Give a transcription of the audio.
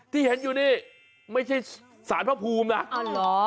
ที่เห็นอยู่นี่ไม่ใช่ศาลพระภูมินะ